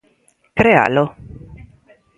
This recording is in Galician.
¿Crealo?